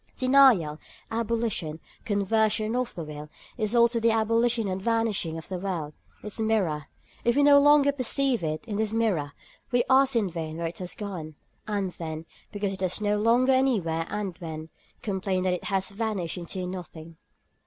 Denial, abolition, conversion of the will, is also the abolition and the vanishing of the world, its mirror. If we no longer perceive it in this mirror, we ask in vain where it has gone, and then, because it has no longer any where and when, complain that it has vanished into nothing.